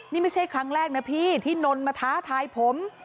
นี่ไม่ใช่ครั้งแรกนะพี่ที่นนมาท้าทายผม